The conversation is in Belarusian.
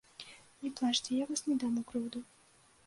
Не плачце, я вас не дам у крыўду.